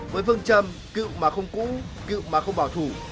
với phương châm cựu mà không cũ cựu mà không bảo thủ